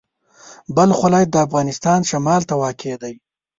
بلخ ولایت د افغانستان شمال ته واقع دی.